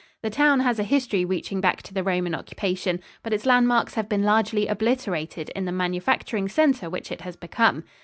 The town has a history reaching back to the Roman occupation, but its landmarks have been largely obliterated in the manufacturing center which it has become.